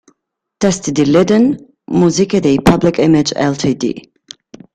Testi di Lydon, musiche dei Public Image Ltd.